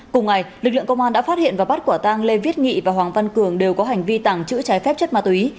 cùng ngày lực lượng công an đã phát hiện và bắt quả tang lê viết nghị và hoàng văn cường đều có hành vi tàng trữ trái phép chất ma túy